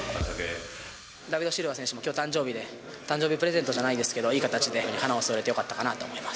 ダビド・シルバ選手もきょう誕生日で、誕生日プレゼントじゃないですけど、いい形で花を添えられてよかったかなと。